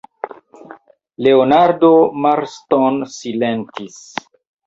Leonardo Marston silentis.